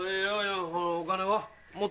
お金は？